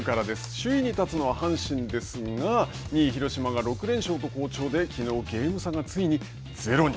首位に立つのは阪神ですが２位広島が６連勝と好調できのうゲーム差がついにゼロに。